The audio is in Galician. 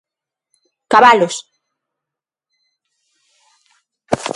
Cabalos.